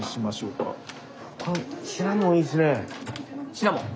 シナモン。